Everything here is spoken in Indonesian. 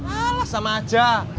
alah sama aja